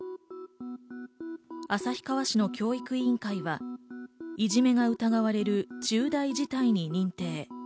旭川市の教育委員会は、いじめが疑われる重大事態に認定。